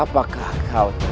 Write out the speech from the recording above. apakah kau tertarik